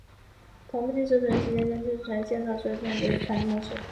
同步技术是在同一时间将资讯传送给线上所有参与者的一种传递模式。